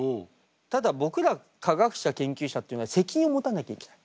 ただ僕ら科学者研究者っていうのは責任を持たなきゃいけない。